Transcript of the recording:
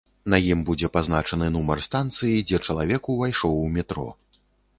На ім будзе пазначаны нумар станцыі, дзе чалавек увайшоў у метро.